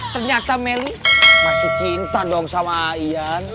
ternyata meli masih cinta dong sama aian